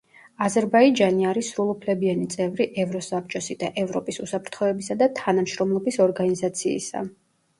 აზერბაიჯანი არის სრულუფლებიანი წევრი ევროსაბჭოსი და ევროპის უსაფრთხოებისა და თანამშრომლობის ორგანიზაციისა.